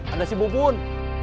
ada sibuk pun